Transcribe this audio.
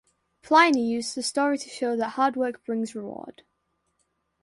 Pliny used the story to show that "hard work brings reward".